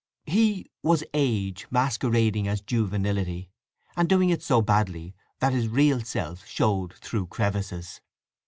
He was Age masquerading as Juvenility, and doing it so badly that his real self showed through crevices.